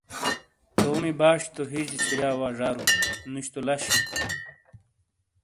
تومی باش تو ہیجے چھُوریا وا زارو، نُش تو لش ہِیں۔